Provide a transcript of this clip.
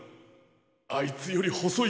あいつよりほそい